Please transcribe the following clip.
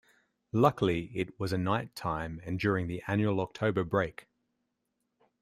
Luckily, it was a night time and during the Annual October break.